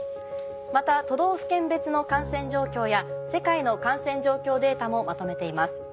また都道府県別の感染状況や世界の感染状況データもまとめています。